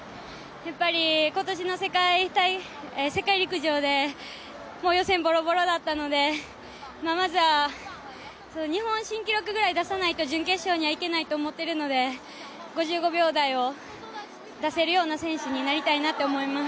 やっぱり今年の世界陸上で予選、ボロボロだったのでまずは、日本新記録ぐらい出さないと準決勝にはいけないと思っているので、５５秒台を出せるような選手になりたいなと思っています。